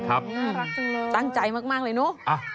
ตั้งใจมากเลยเนอะ